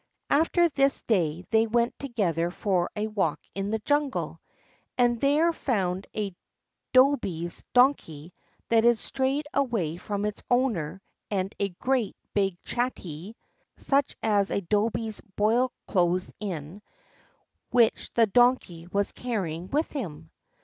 After this they went together for a walk in the jungle, and there found a Dhobee's Donkey that had strayed away from its owner, and a great big chattee (such as Dhobees boil clothes in), which the Donkey was carrying with him.